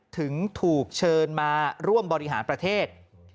ถึงถูกเชิญมาร่วมบริหารประเทศ